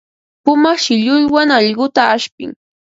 Puma shillunwan allquta ashpin.